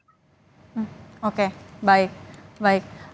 hmm oke baik baik